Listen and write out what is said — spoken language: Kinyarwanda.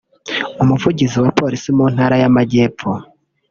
umuvugizi wa polisi mu Ntara y’Amajyepfo